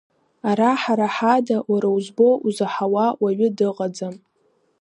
Ара ҳара ҳада уара узбо, узаҳауа уаҩы дыҟаӡам.